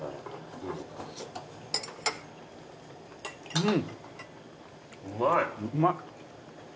うん。